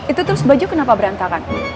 itu terus baju kenapa berantakan